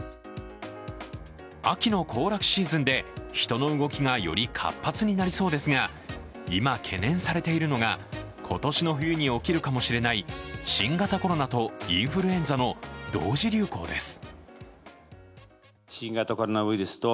秋の行楽シーズンで、人の動きがより活発になりそうですが、今、懸念されているのが今年の冬に起きるかもしれない新型コロナとインフルエンザの同時流行です。